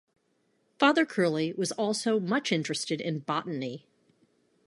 Father Curley was also much interested in botany.